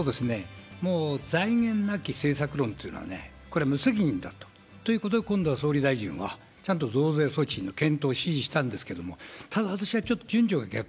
もう財源なき政策論というのはね、これ、無責任だということで、今度は総理大臣は、ちゃんと増税措置の検討を指示したんですけれども、ただ、私はちょっと順序が逆。